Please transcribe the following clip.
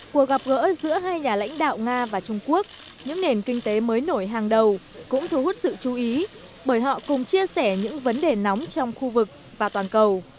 cuộc gặp gỡ giữa hai nhà lãnh đạo nga và trung quốc những nền kinh tế mới nổi hàng đầu cũng thu hút sự chú ý bởi họ cùng chia sẻ những vấn đề nóng trong khu vực và toàn cầu